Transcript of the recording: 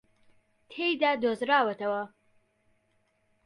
تێدا دۆزراوەتەوە